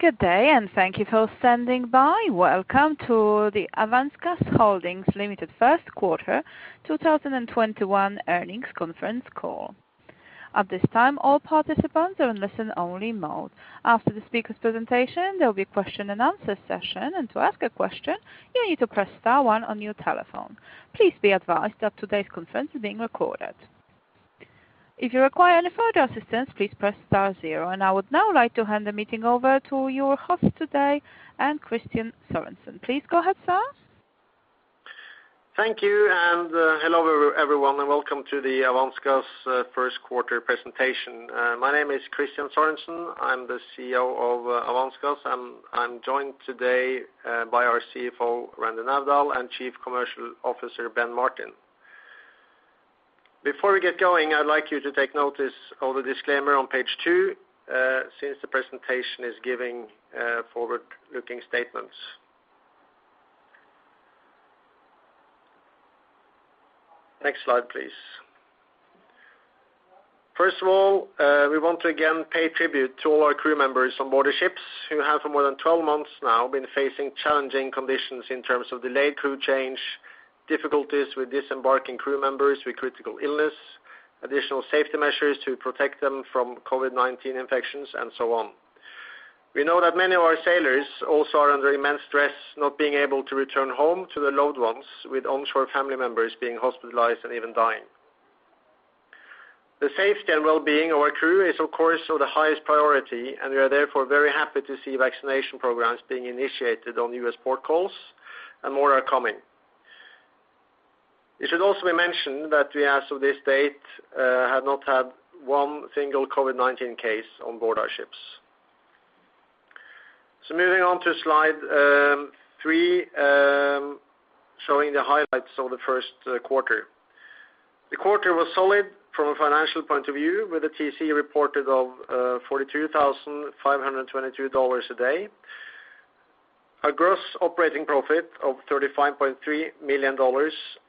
Good day. Thank you for standing by. Welcome to the Avance Gas Holding Ltd First quarter 2021 earnings conference call. At this time, all participants are in listen only mode. After the speaker presentation, there will be a question and answer session. To ask a question, you need to press star one on your telephone. Please be advised that today's conference is being recorded. If you require any further assistance, please press star zero. I would now like to hand the meeting over to your hosts today, Kristian Sørensen. Please go ahead, sir. Thank you, hello everyone, and welcome to the Avance Gas first quarter presentation. My name is Kristian Sørensen. I'm the CEO of Avance Gas, and I'm joined today by our CFO, Randi Navdal, and Chief Commercial Officer, Ben Martin. Before we get going, I'd like you to take notice of the disclaimer on page two, since the presentation is giving forward-looking statements. Next slide, please. First of all, we want to again pay tribute to all our crew members on board ships who have for more than 12 months now been facing challenging conditions in terms of delayed crew change, difficulties with disembarking crew members with critical illness, additional safety measures to protect them from COVID-19 infections, and so on. We know that many of our sailors also are under immense stress not being able to return home to their loved ones with onshore family members being hospitalized and even dying. The safety and wellbeing of our crew is, of course, our highest priority, and we are therefore very happy to see vaccination programs being initiated on U.S. port calls and more are coming. It should also be mentioned that we as of this date have not had one single COVID-19 case on board our ships. Moving on to slide three, showing the highlights of the first quarter. The quarter was solid from a financial point of view with a TCE reported of $42,522 a day, a gross operating profit of $35.3 million,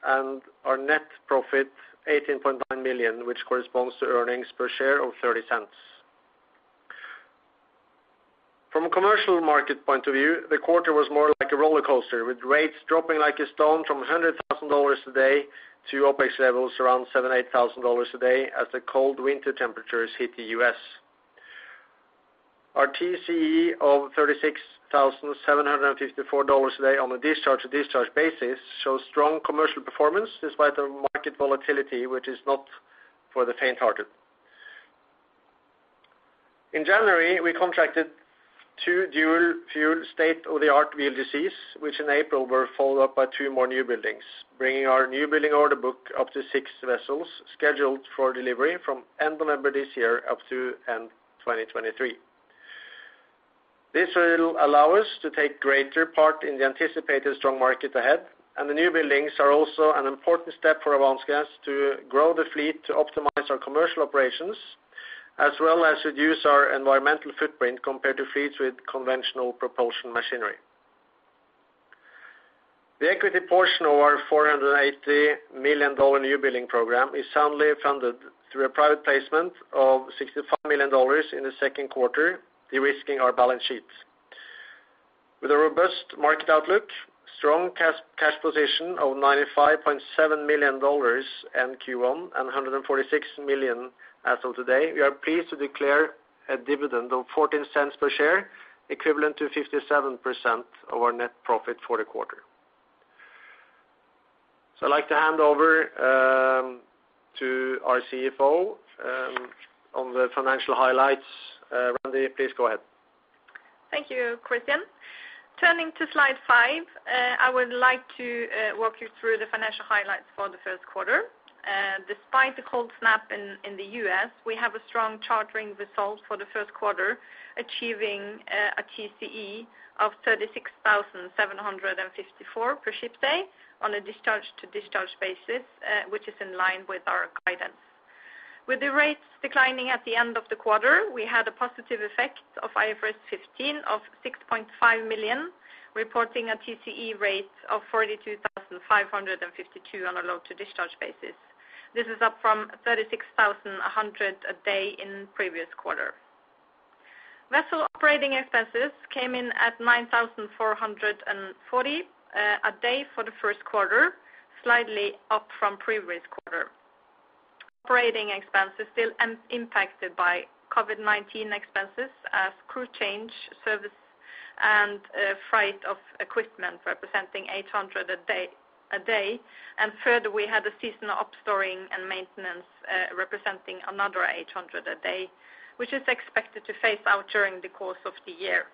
and our net profit $18.9 million, which corresponds to earnings per share of $0.30. From a commercial market point of view, the quarter was more like a rollercoaster, with rates dropping like a stone from $100,000 a day to OPEC levels around $7,000, $8,000 a day as the cold winter temperatures hit the U.S.. Our TCE of $36,754 a day on a discharge-to-discharge basis shows strong commercial performance despite the market volatility, which is not for the faint-hearted. In January, we contracted two dual fuel state-of-the-art VLGCs, which in April were followed up by two more new buildings, bringing our new building order book up to 60 vessels scheduled for delivery from end of November this year up to end of 2023. This will allow us to take greater part in the anticipated strong market ahead, and the new buildings are also an important step for Avance Gas to grow the fleet to optimize our commercial operations, as well as reduce our environmental footprint compared to fleets with conventional propulsion machinery. The equity portion of our $480 million new building program is soundly funded through a private placement of $65 million in the second quarter, de-risking our balance sheet. With a robust market outlook, strong cash position of $95.7 million in Q1 and $146 million as of today, we are pleased to declare a dividend of $0.14 per share, equivalent to 57% of our net profit for the quarter. I'd like to hand over to our CFO on the financial highlights. Randi, please go ahead. Thank you, Kristian. Turning to slide five, I would like to walk you through the financial highlights for the first quarter. Despite the cold snap in the U.S., we have a strong chartering result for the first quarter, achieving a TCE of $36,754 per ship day on a discharge-to-discharge basis, which is in line with our guidance. With the rates declining at the end of the quarter, we had a positive effect of IFRS 15 of $6.5 million, reporting a TCE rate of $42,552 on a load-to-discharge basis. This is up from $36,100 a day in the previous quarter. Vessel operating expenses came in at $9,440 a day for the first quarter, slightly up from previous quarter. Operating expenses still impacted by COVID-19 expenses as crew change, service, and freight of equipment representing $800 a day. Further, we had a seasonal upstoring and maintenance representing another $800 a day, which is expected to phase out during the course of the year.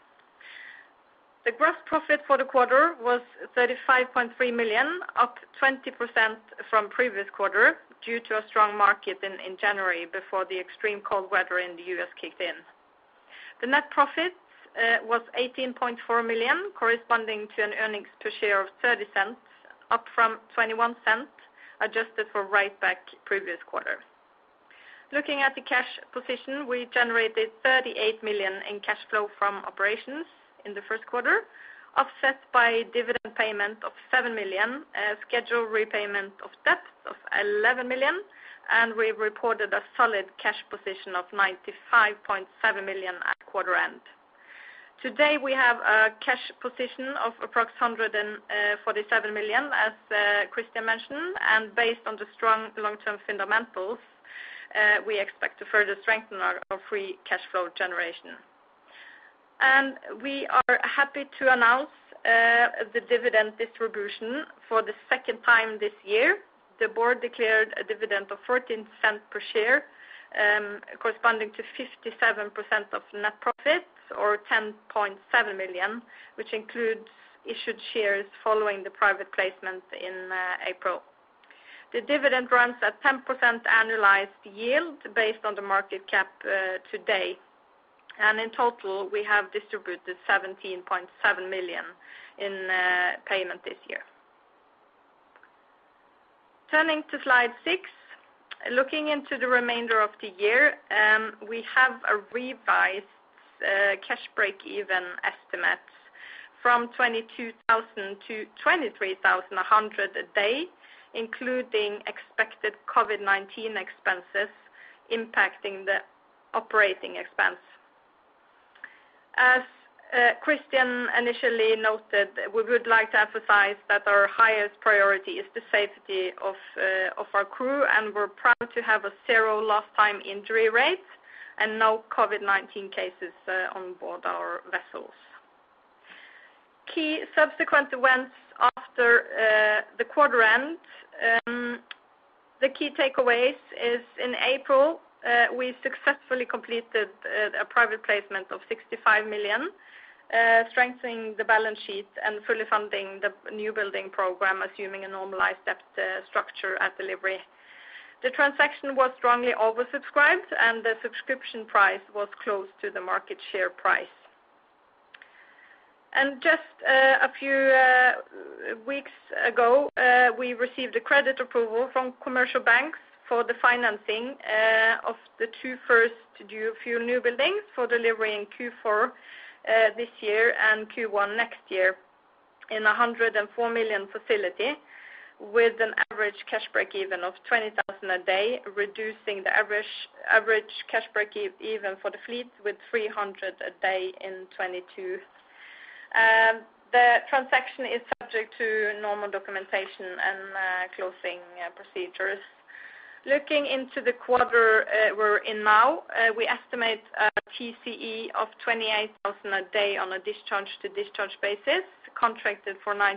The gross profit for the quarter was $35.3 million, up 20% from previous quarter due to a strong market in January before the extreme cold weather in the U.S. kicked in. The net profit was $18.4 million, corresponding to an earnings per share of $0.30, up from $0.21 adjusted for write-back previous quarter. Looking at the cash position, we generated $38 million in cash flow from operations in the first quarter, offset by dividend payment of $7 million. A scheduled repayment of debt $11 million and we reported a solid cash position of $95.7 million at quarter end. Today we have a cash position of approximately $147 million as Kristian mentioned and based on the strong long term fundamentals, we expect to further strengthen our free cash flow generation. We are happy to announce the dividend distribution for the second time this year. The board declared a dividend of $0.14 per share, corresponding to 57% of net profits or $10.7 million, which includes issued shares following the private placement in April. The dividend runs at 10% annualized yield based on the market cap today and in total we have distributed $17.7 million in payment this year. Turning to slide six, looking into the remainder of the year, we have revised cash breakeven estimates from $22,000-$23,100 a day, including expected COVID-19 expenses impacting the operating expense. As Kristian initially noted, we would like to emphasize that our highest priority is the safety of our crew and we are proud to have a zero lost time injury rate and no COVID-19 cases on board our vessels. Key subsequent events after the quarter end. The key takeaways is in April, we successfully completed a private placement of $65 million, strengthening the balance sheet and fully funding the new building program assuming a normalized debt structure at delivery. The transaction was strongly oversubscribed and the subscription price was close to the market share price. Just a few weeks ago, we received a credit approval from commercial banks for the financing of the two first dual fuel newbuildings for delivery in Q4 this year and Q1 next year in a $104 million facility with an average cash breakeven of $20,000 a day reducing the average cash breakeven for the fleet with $300 a day in 2022. The transaction is subject to normal documentation and closing procedures. Looking into the quarter we are in now, we estimate a TCE of $28,000 a day on a discharge-to-discharge basis contracted for 95%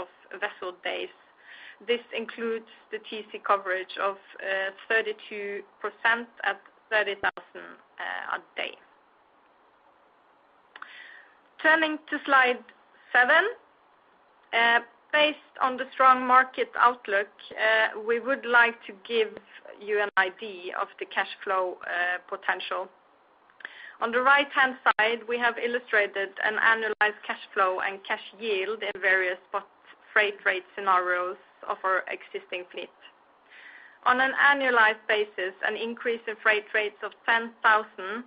of vessel days. This includes the TCE coverage of 32% at $30,000 a day. Turning to slide seven. Based on the strong market outlook, we would like to give you an idea of the cash flow potential. On the right-hand side, we have illustrated an annualized cash flow and cash yield in various spot freight rate scenarios of our existing fleet. On an annualized basis, an increase in freight rates of $10,000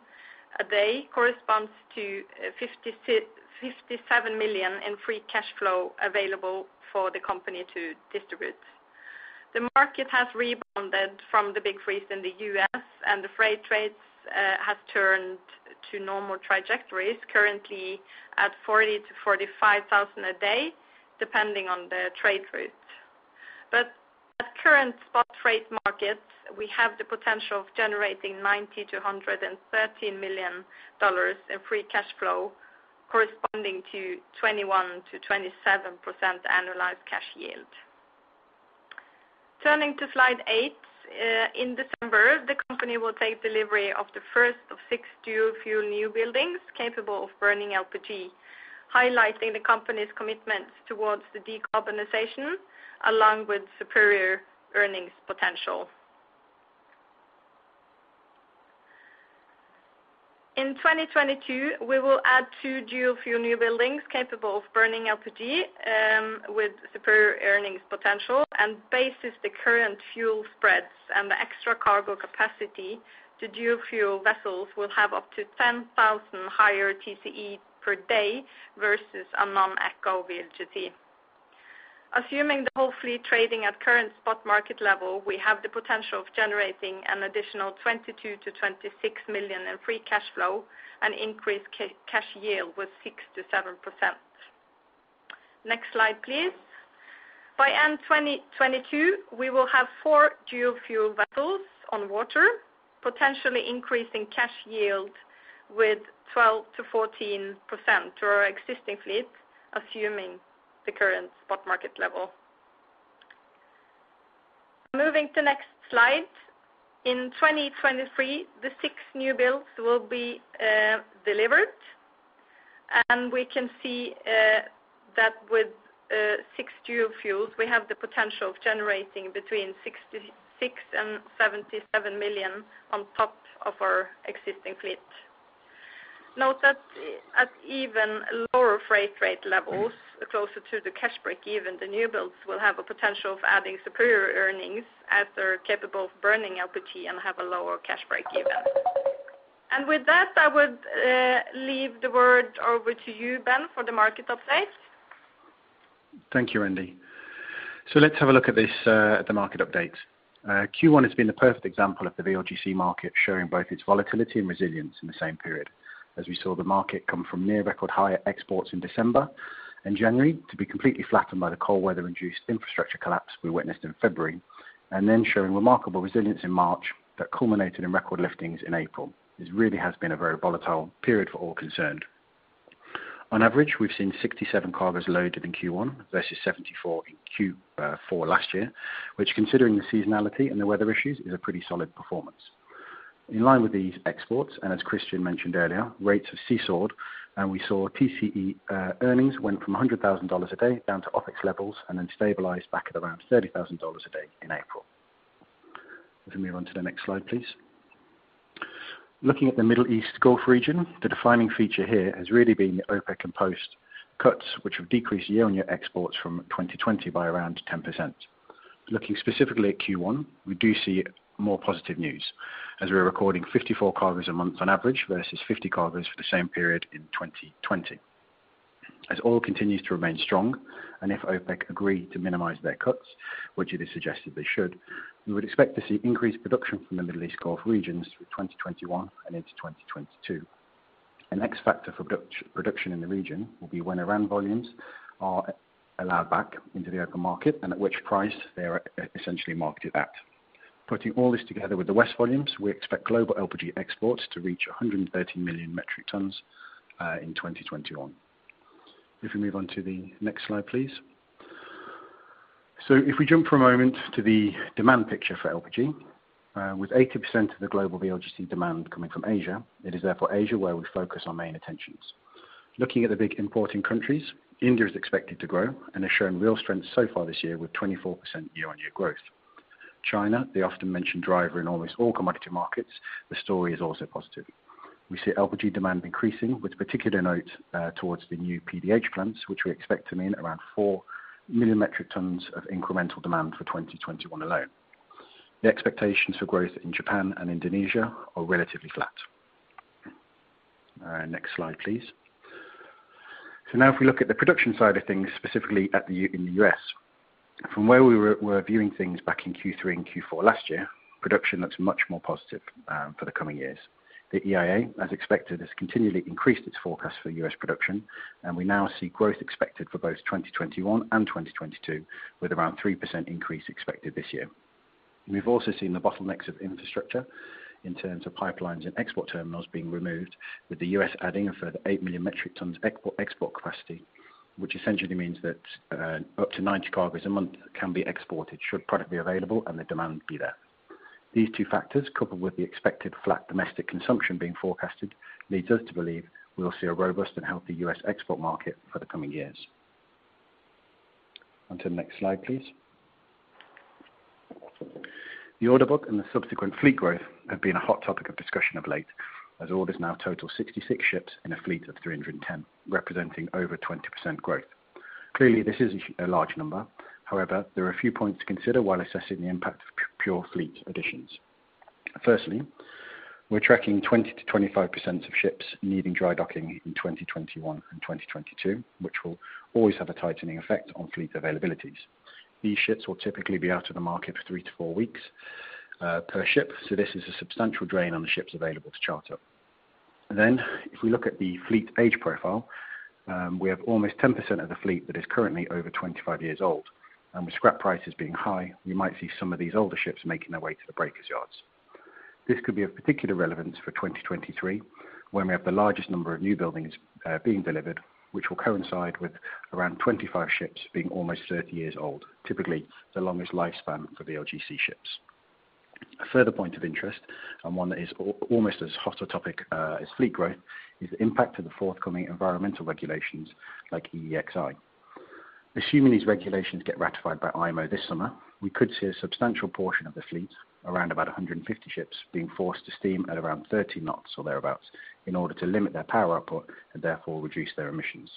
a day corresponds to $57 million in free cash flow available for the company to distribute. The market has rebounded from the big freeze in the U.S. and the freight rates have turned to normal trajectories currently at $40,000 to $45,000 a day depending on the trade routes. At current spot freight markets, we have the potential of generating $90 million-$130 million in free cash flow corresponding to 21%-27% annualized cash yield. Turning to slide eight. In December, the company will take delivery of the first of six dual fuel newbuildings capable of burning LPG, highlighting the company's commitments towards the decarbonization along with superior earnings potential. In 2022, we will add two dual fuel newbuildings capable of burning LPG with superior earnings potential and based the current fuel spreads and the extra cargo capacity the dual fuel vessels will have up to $10,000 higher TCE per day versus a non-eco. Assuming the whole fleet trading at current spot market level we have the potential of generating an additional $22 million-$26 million in free cash flow and increase cash yield with 6%-7%. Next slide please. By end 2022 we will have four dual fuel vessels on water potentially increasing cash yield with 12%-14% to our existing fleet assuming the current spot market level. Moving to next slide. In 2023 the six new builds will be delivered and we can see that with six dual fuels we have the potential of generating between $66 million and $77 million on top of our existing fleet. Note that at even lower freight rate levels closer to the cash breakeven the new builds will have a potential of adding superior earnings as they are capable of burning LPG and have a lower cash breakeven. With that, I would leave the word over to you, Ben, for the market update. Thank you, Randi. Let's have a look at the market update. Q1 has been a perfect example of the VLGC market showing both its volatility and resilience in the same period. As we saw the market come from near record higher exports in December and January to be completely flattened by the cold weather-induced infrastructure collapse we witnessed in February, and then showing remarkable resilience in March that culminated in record liftings in April. This really has been a very volatile period for all concerned. On average, we've seen 67 cargoes loaded in Q1 versus 74 in Q4 last year, which considering the seasonality and the weather issues, is a pretty solid performance. In line with these exports, as Kristian mentioned earlier, rates have seesawed, and we saw TCE earnings went from $100,000 a day down to OPEX levels and then stabilized back at around $30,000 a day in April. If we move on to the next slide, please. Looking at the Middle East Gulf region, the defining feature here has really been the OPEC and post cuts, which have decreased year-on-year exports from 2020 by around 10%. Looking specifically at Q1, we do see more positive news as we're recording 54 cargoes a month on average versus 50 cargoes for the same period in 2020. As oil continues to remain strong, if OPEC agree to minimize their cuts, which it is suggested they should, we would expect to see increased production from the Middle East Gulf regions through 2021 and into 2022. The next factor for production in the region will be when Iran volumes are allowed back into the open market and at which price they are essentially marketed at. Putting all this together with the West volumes, we expect global LPG exports to reach 130 million metric tons in 2021. If we move on to the next slide, please. If we jump for a moment to the demand picture for LPG, with 80% of the global VLGC demand coming from Asia, it is therefore Asia where we focus our main attentions. Looking at the big importing countries, India is expected to grow and has shown real strength so far this year with 24% year-on-year growth. China, the often-mentioned driver in all these oil commodity markets, the story is also positive. We see LPG demand increasing with particular note towards the new PDH plants, which we expect to meet around 4 million metric tons of incremental demand for 2021 alone. The expectations for growth in Japan and Indonesia are relatively flat. Next slide, please. Now if we look at the production side of things, specifically in the U.S. From where we were viewing things back in Q3 and Q4 last year, production looks much more positive for the coming years. The EIA, as expected, has continually increased its forecast for U.S. production, and we now see growth expected for both 2021 and 2022, with around 3% increase expected this year. We've also seen the bottlenecks of infrastructure in terms of pipelines and export terminals being removed, with the U.S. adding a further 8 million metric tons of export capacity. Which essentially means that up to 90 cargoes a month can be exported should product be available and the demand be there. These two factors, coupled with the expected flat domestic consumption being forecasted, leads us to believe we'll see a robust and healthy U.S. export market for the coming years. On to the next slide, please. The order book and the subsequent fleet growth have been a hot topic of discussion of late, as orders now total 66 ships in a fleet of 310, representing over 20% growth. Clearly, this is a large number. However, there are a few points to consider while assessing the impact of pure fleet additions. We're tracking 20% to 25% of ships needing dry docking in 2021 and 2022, which will always have a tightening effect on fleet availabilities. These ships will typically be out of the market for three to four weeks per ship, this is a substantial drain on the ships available to charter. If we look at the fleet age profile, we have almost 10% of the fleet that is currently over 25 years old, with scrap prices being high, we might see some of these older ships making their way to the breakers' yards. This could be of particular relevance for 2023, when we have the largest number of new buildings being delivered, which will coincide with around 25 ships being almost 30 years old, typically the longest lifespan for VLGC ships. A further point of interest, and one that is almost as hot a topic as fleet growth, is the impact of the forthcoming environmental regulations like EEXI. Assuming these regulations get ratified by IMO this summer, we could see a substantial portion of the fleet, around about 150 ships, being forced to steam at around 30 knots or thereabouts in order to limit their power output and therefore reduce their emissions.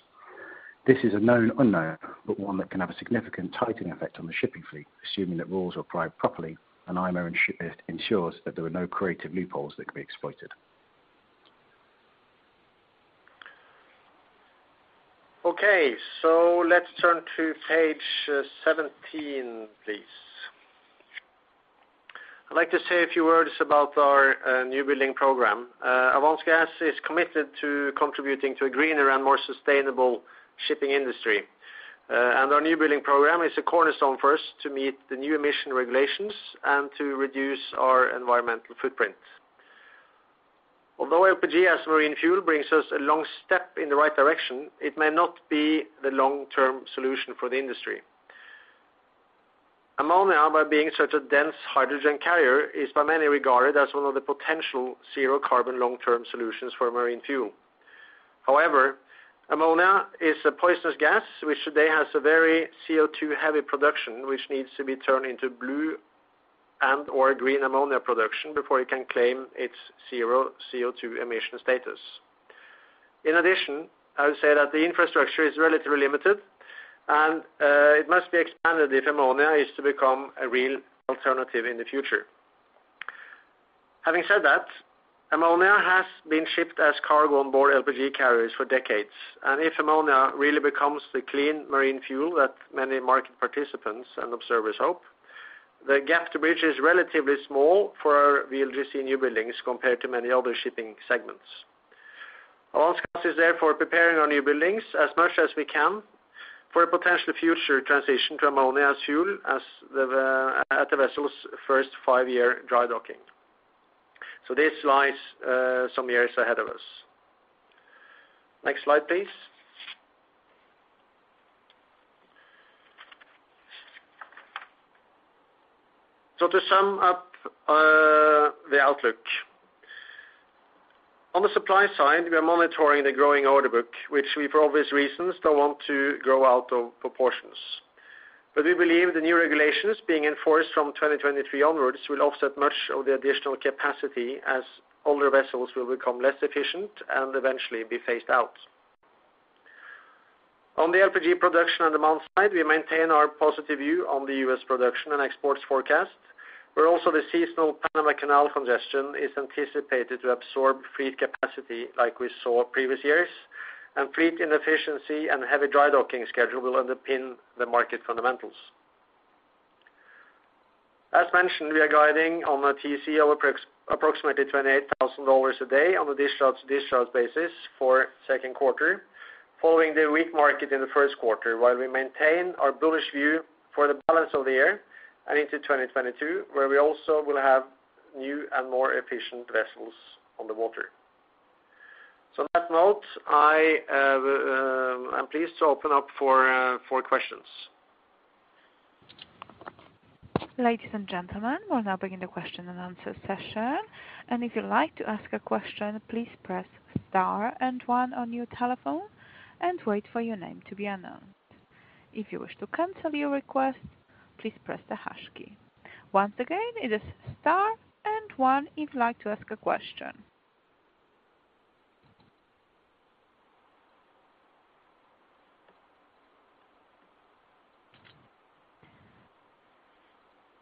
This is a known unknown, but one that can have a significant tightening effect on the shipping fleet, assuming that rules are applied properly and IMO ensures that there are no creative loopholes that can be exploited. Let's turn to page 17, please. I'd like to say a few words about our new building program. Avance Gas is committed to contributing to a greener and more sustainable shipping industry, and our new building program is a cornerstone for us to meet the new emission regulations and to reduce our environmental footprint. Although LPG as a marine fuel brings us a long step in the right direction, it may not be the long-term solution for the industry. Ammonia, by being such a dense hydrogen carrier, is by many regarded as one of the potential zero carbon long-term solutions for marine fuel. However, ammonia is a poisonous gas which today has a very CO2-heavy production which needs to be turned into blue and/or green ammonia production before it can claim its zero CO2 emission status. In addition, I would say that the infrastructure is relatively limited, and it must be expanded if ammonia is to become a real alternative in the future. Having said that, ammonia has been shipped as cargo on board LPG carriers for decades, and if ammonia really becomes the clean marine fuel that many market participants and observers hope, the gap to bridge is relatively small for VLGC newbuildings compared to many other shipping segments. Odfjell is therefore preparing our newbuildings as much as we can for a potential future transition to ammonia as fuel at the vessel's first five-year dry docking. This lies some years ahead of us. Next slide, please. To sum up the outlook. On the supply side, we are monitoring the growing order book, which we, for obvious reasons, don't want to grow out of proportions. We believe the new regulations being enforced from 2023 onwards will offset much of the additional capacity as older vessels will become less efficient and eventually be phased out. On the LPG production and demand side, we maintain our positive view on the U.S. production and exports forecast, where also the seasonal Panama Canal congestion is anticipated to absorb free capacity like we saw previous years, and fleet inefficiency and heavy dry docking schedule will underpin the market fundamentals. As mentioned, we are guiding on a TCE of approximately $28,000 a day on a discharge-to-discharge basis for second quarter, following the weak market in the first quarter, while we maintain our bullish view for the balance of the year and into 2022, where we also will have new and more efficient vessels on the water. On that note, I am pleased to open up for questions. Ladies and gentlemen, we're now beginning the question and answer session. If you'd like to ask a question, please press star and one on your telephone and wait for your name to be announced. If you wish to cancel your request, please press the hash key. Once again, it is star and one if you'd like to ask a question.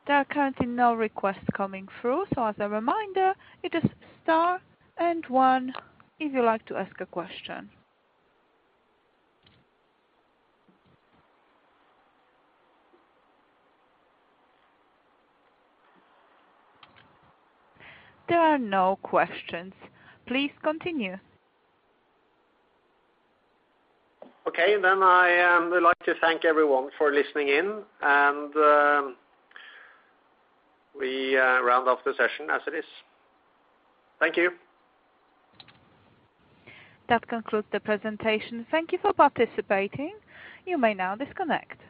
There are currently no requests coming through, as a reminder, it is star and one if you'd like to ask a question. There are no questions. Please continue. Okay, then I would like to thank everyone for listening in, and we round off the session as it is. Thank you. That concludes the presentation. Thank you for participating. You may now disconnect.